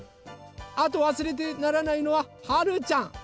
あとわすれてならないのははるちゃん！